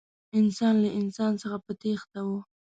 انسان له انسان څخه په تېښته و.